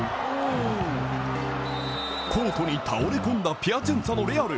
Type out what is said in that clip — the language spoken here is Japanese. コートに倒れ込んだ、ピアチェンツァのレアル。